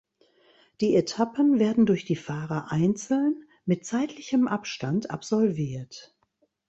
Die Etappen werden durch die Fahrer einzeln mit zeitlichem Abstand absolviert.